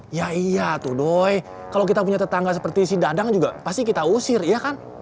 iya iya tuh doy kalau kita punya tetangga seperti si dadang juga pasti kita usir iya kan